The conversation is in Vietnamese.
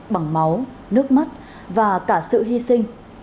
bằng máu nước mắt và cả sự hy sinh